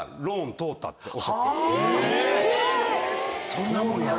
そんなもんやろ。